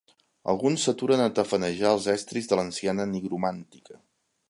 Alguns s'aturen a tafanejar els estris de l'anciana nigromàntica.